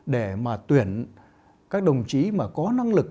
để mà tuyển các đồng chí mà có năng lực